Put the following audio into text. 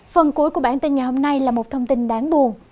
phần cuối của bản tin ngày hôm nay là một thông tin đáng buồn